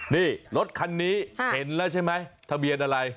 นี่รถคันนี้เห็นแล้วใช่ไหมทะเบียนอะไร